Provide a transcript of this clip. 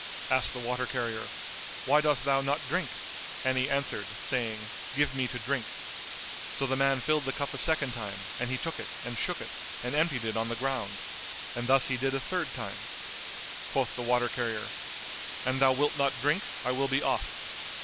Asked the water carrier, "Why dost thou not drink?"; and he answered, saying, "Give me to drink." So the man filled the cup a second time and he took it and shook it and emptied it on the ground; and thus he did a third time. Quoth the water carrier, "An thou wilt not drink, I will be off."